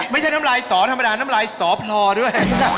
ไม่ใช่น้ำไรสอธรรมดาน้ำไรสอปลอด้วย